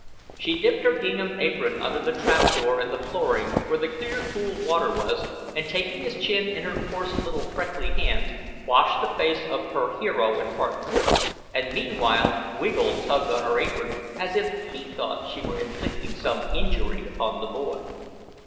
She dipped her gingham apron under the trap door in the flooring where the clear, cool water was, and taking his chin in her coarse little freckly hands, washed the face of her hero and partner. And meanwhile Wiggle tugged on her apron as if he thought she were inflicting some injury upon the boy.